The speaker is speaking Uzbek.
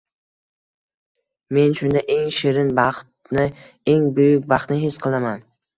Men shunda eng shirin Baxtni, eng buyuk Baxtni his qilaman